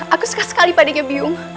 aku sekali sekali padanya byung